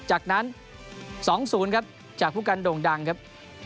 จากนั้น๒๐ครับจากผู้กันโด่งดังครับ